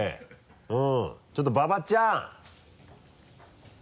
ちょっと馬場ちゃん！